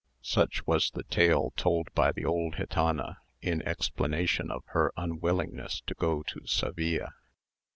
Such was the tale told by the old gitana, in explanation of her unwillingness to go to Seville.